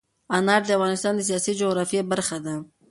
انار د افغانستان د سیاسي جغرافیه برخه ده.